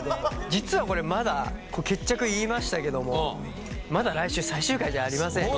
実はこれまだ「決着」言いましたけどもまだ来週最終回じゃありませんから。